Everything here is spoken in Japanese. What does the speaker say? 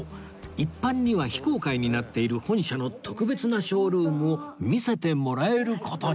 一般には非公開になっている本社の特別なショールームを見せてもらえる事に